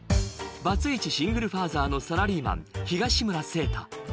バツイチシングルファーザーのサラリーマン東村晴太